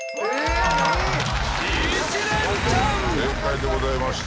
正解でございました。